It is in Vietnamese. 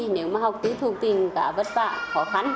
nếu mà học tư thục thì cả vất vả khó khăn